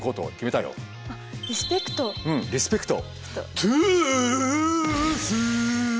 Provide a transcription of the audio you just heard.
うんリスペクト。